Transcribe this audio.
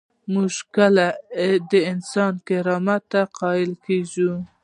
موږ کله د انسان کرامت ته قایل کیږو؟